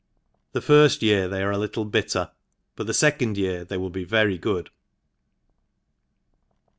The firft year they are & littte bitter, but the fecond year they will be very goodl.